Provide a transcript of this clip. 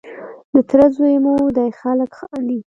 د تره زوی مو دی خلک خاندي.